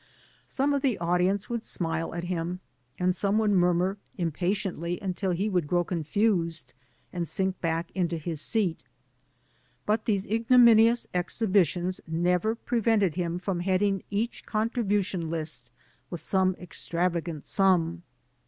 Some of the audience would smile at him and some would murmur impatiently until he would grow confused and sink back into his seat. But these ignominious exhibitions never pre vented him from heading each contribution list with some extravagant sum.